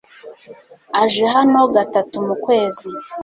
aje hano gatatu mu kwezi.